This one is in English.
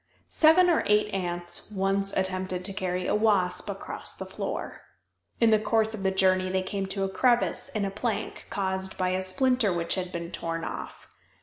Seven or eight ants once attempted to carry a wasp across the floor. In the course of the journey they came to a crevice in a plank caused by a splinter which had been torn off.